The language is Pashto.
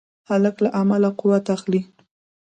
هلک له علمه قوت اخلي.